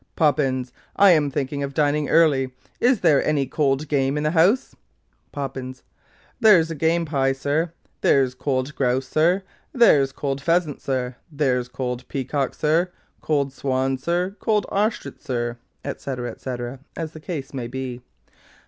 'Poppins, I'm thinking of dining early; is there any cold game in the house?' POPPINS. 'There's a game pie, sir; there's cold grouse, sir; there's cold pheasant, sir; there's cold peacock, sir; cold swan, sir; cold ostrich, sir,' &c. &c. (as the case may be).